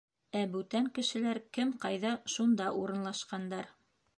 Ә бүтән кешеләр кем ҡайҙа — шунда урынлашҡандар.